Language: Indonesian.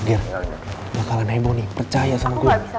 gier bakalan nemo nih percaya sama gue